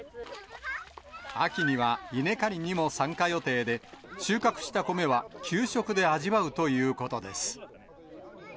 秋には稲刈りにも参加予定で、収穫した米は給食で味わうということです。